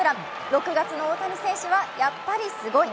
６月の大谷選手はやっぱりすごい。